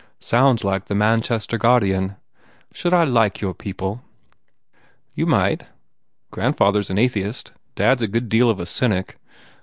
Sounds like the Manchester Guard ian. Should I like your people?" "You might. Grandfather s an atheist. Dad s a good deal of a cynic.